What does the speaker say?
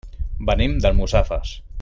Venim d'Almussafes.